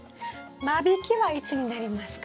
間引きはいつになりますか？